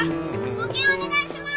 募金お願いします！